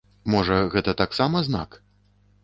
Можа гэта таксама знак?